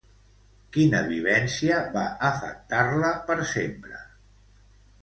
Quina vivència va afectar-la per sempre?